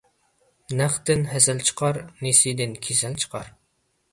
نەقتىن ھەسەل چىقار، نېسىدىن كېسەل چىقار.